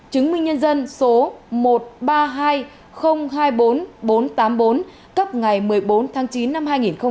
chứng minh nhân dân số một ba hai không hai bốn bốn tám bốn cấp ngày một mươi bốn tháng chín năm hai nghìn một mươi sáu